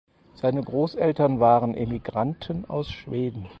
Seine Großeltern waren Emigranten aus Schweden.